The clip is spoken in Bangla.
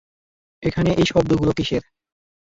এখানে এই শব্দগুলো কিসের?